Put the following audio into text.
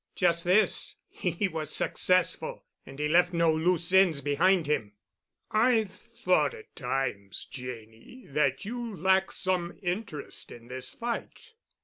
"Just this: He was successful, and he left no loose ends behind him." "I've thought at times, Janney, that you lack some interest in this fight."